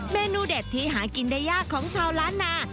เมนูเด็ดที่หากินได้ยากของชาวล้านนา